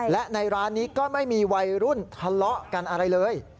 และในร้านนี้ก็ไม่มีวัยรุ่นทะเลาะกันอะไรเลย